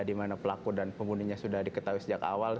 dimana pelaku dan pembunuhnya sudah diketahui sejak awal